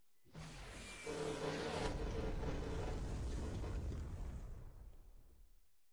陶普利茨是奥地利施蒂利亚州利岑县的一个市镇。